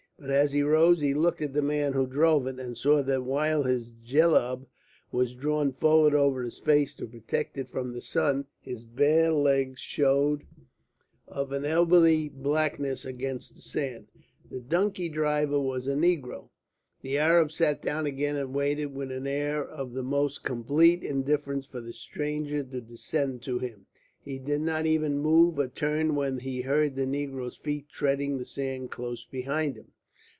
But as he rose he looked at the man who drove it, and saw that while his jellab was drawn forward over his face to protect it from the sun, his bare legs showed of an ebony blackness against the sand. The donkey driver was a negro. The Arab sat down again and waited with an air of the most complete indifference for the stranger to descend to him. He did not even move or turn when he heard the negro's feet treading the sand close behind him.